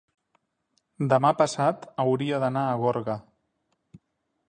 Demà passat hauria d'anar a Gorga.